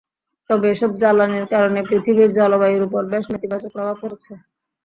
তবে এসব জ্বালানির কারণে পৃথিবীর জলবায়ুর ওপর বেশ নেতিবাচক প্রভাব পড়ছে।